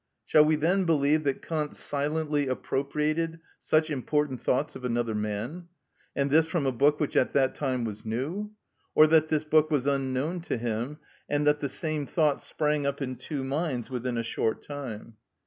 Shall we then believe that Kant silently appropriated such important thoughts of another man? and this from a book which at that time was new? Or that this book was unknown to him, and that the same thoughts sprang up in two minds within a short time?